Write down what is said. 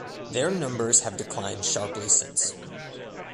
Their numbers have declined sharply since.